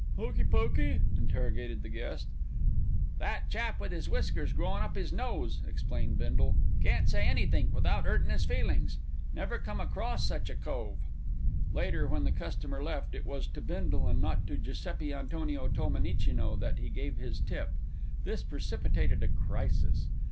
"Hokey Pokey!" interrogated the guest. "That chap with 'is whiskers growin' up 'is nose," explained Bindle. "All prickles 'e is. Can't say anythink without 'urtin' 'is feelin's. Never come across such a cove." Later, when the customer left, it was to Bindle and not to Giuseppi Antonio Tolmenicino that he gave his tip. This precipitated a crisis.